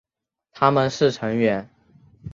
他们是成员。